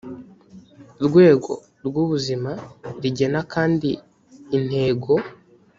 rwego rw ubuzima rigena kandi intego